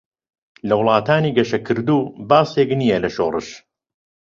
لە ولاتانی گەشکردو باسێك نییە لە شۆرش.